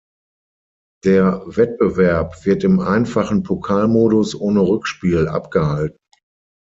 Der Wettbewerb wird im einfachen Pokalmodus ohne Rückspiel abgehalten.